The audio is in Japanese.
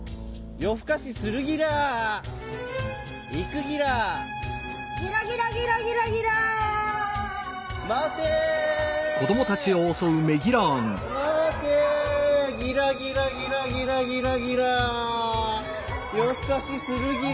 よふかしするギラ。